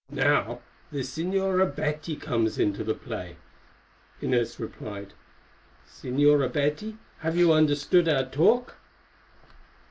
"Now the Señora Betty comes into the play," replied Inez. "Señora Betty, have you understood our talk?"